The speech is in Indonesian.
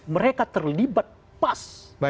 mereka terlibat pas